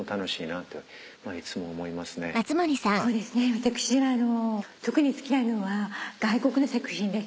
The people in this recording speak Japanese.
私は特に好きなのは外国の作品です。